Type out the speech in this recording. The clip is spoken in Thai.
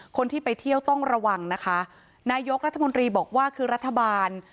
คนที่ไปเที่ยวต้องระวังนะคะนายกรัฐมนตรีบอกว่าคือรัฐบาล